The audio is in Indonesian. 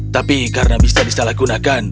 tapi karena bisa disalahkunakan